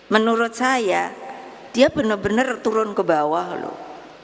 menurut saya dia benar benar turun ke bawah loh